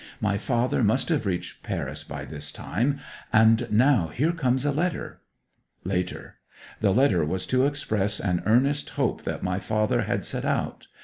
My father must have reached Paris by this time; and now here comes a letter ... Later. The letter was to express an earnest hope that my father had set out.